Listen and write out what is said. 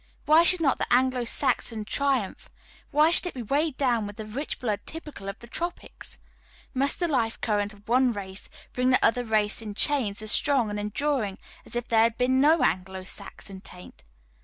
Why should not the Anglo Saxon triumph why should it be weighed down with the rich blood typical of the tropics? Must the life current of one race bind the other race in chains as strong and enduring as if there had been no Anglo Saxon taint?